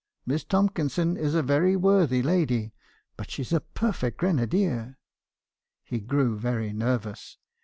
Miss Tomkinson is a very worthy lady ; but she 's a perfect grenadier.' "He grew very nervous.